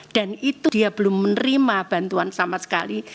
dan itu dia belum menerima bantuan sama sekali